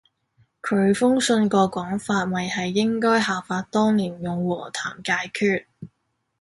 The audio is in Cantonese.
佢封信個講法咪係應該效法當年用和談解決